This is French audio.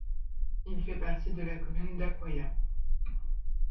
Il fait partie de la commune d'Akwaya.